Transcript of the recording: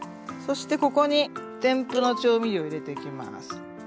そしてここに添付の調味料を入れていきます。